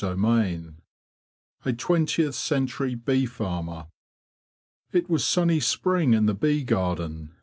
CHAPTER ITI A TWENTIETH CENTURY BEE FARMER T was sunny spring in the bee garden.